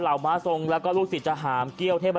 เหล่าหมาทรงลูกศรีตฐาหามเกี้ยวเทพเจ้า